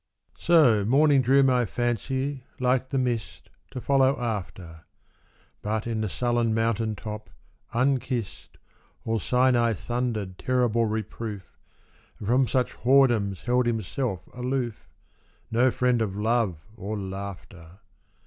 So morning drew my fancy, like the mist, To follow after ; But in the sullen mountain top, unkissed, All Sinai thundered terrible reproof. And from such whoredoms held himself aloof, No friend of love or laughter.